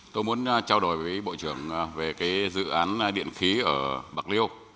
tôi muốn trao đổi với bộ trưởng về cái dự án điện khí ở bạc liêu